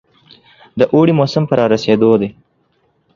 د اوړي موسم په رارسېدو.